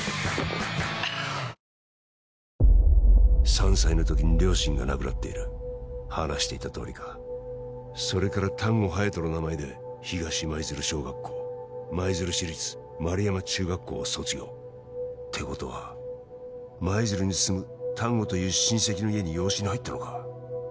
３歳の時に両親が亡くなっている話していたとおりかそれから丹後隼人の名前で東舞鶴小学校舞鶴市立丸山中学校を卒業てことは舞鶴に住む丹後という親戚の家に養子に入ったのか？